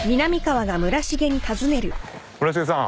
村重さん。